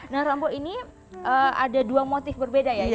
nah rambu ini ada dua motif berbeda ya